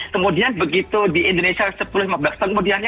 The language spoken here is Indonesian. kemudian begitu di indonesia lima belas tahun kemudiannya